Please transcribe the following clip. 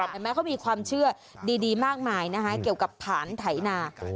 เห็นไหมเขามีความเชื่อดีมากมายนะคะเกี่ยวกับฐานไถนา